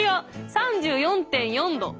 ３４．４℃。